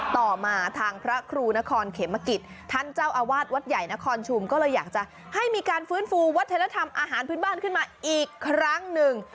ต่อมาทางพระครูนครเขมกิจท่านเจ้าอาวาสวัดใหญ่นครชุมก็เลยอยากจะให้มีการฟื้นฟูวัฒนธรรมอาหารพื้นบ้านขึ้นมาอีกครั้งหนึ่ง